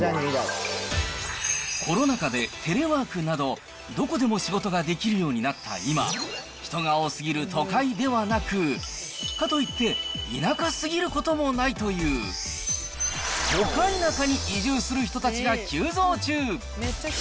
コロナ禍でテレワークなどどこでも仕事ができるようになった今、人が多すぎる都会ではなく、かといって田舎すぎることもないという、トカイナカに移住する人が急増中。